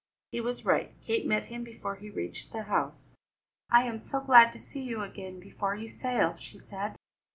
He was right. Kate met him before he reached the house. "I am so glad to see you again before you sail," she said.